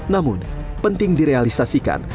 namun penting direalisasikan